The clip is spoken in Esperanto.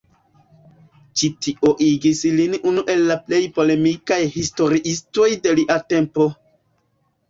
Ĉi tio igis lin unu el la plej polemikaj historiistoj de lia tempo.